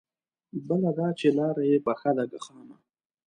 بله دا چې لاره يې پخه ده که خامه؟